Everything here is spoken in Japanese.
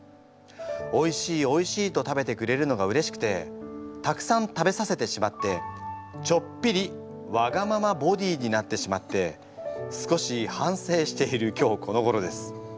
『おいしい！おいしい！』と食べてくれるのがうれしくてたくさん食べさせてしまってちょっぴりワガママボディーになってしまって少し反省している今日このごろです。